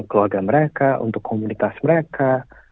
keluarga mereka untuk komunitas mereka